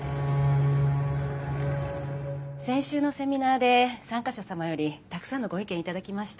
先週のセミナーで参加者様よりたくさんのご意見頂きました。